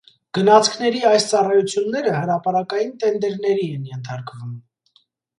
Գնացքների այս ծառայությունները հրապարակային տենդերների են ենթարկվում։